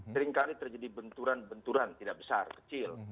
seringkali terjadi benturan benturan tidak besar kecil